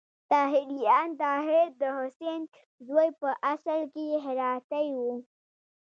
طاهریان: طاهر د حسین زوی په اصل کې هراتی و.